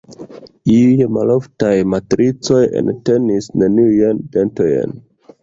Iuj maloftaj matricoj entenis neniujn dentojn.